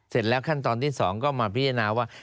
เสร็จแล้วขั้นตอนที่๒ก็มาพิจารณาว่า